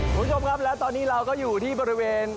คุณผู้ชมครับและตอนนี้เราก็อยู่ที่บริเวณ